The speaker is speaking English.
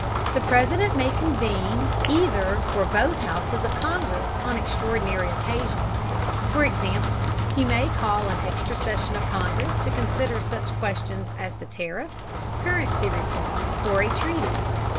The President may convene either or both houses of Congress on extraordinary occasions. For example, he may call an extra session of Congress to consider such questions as the tariff, currency reform, or a treaty.